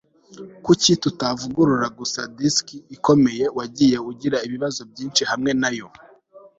Kuki tutavugurura gusa disiki ikomeye Wagiye ugira ibibazo byinshi hamwe nayo